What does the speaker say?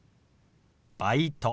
「バイト」。